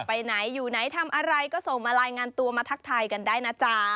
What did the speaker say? ไปไหนอยู่ไหนทำอะไรก็ส่งมารายงานตัวมาทักทายกันได้นะจ๊ะ